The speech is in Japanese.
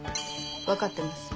分かってます。